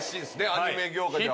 アニメ業界では。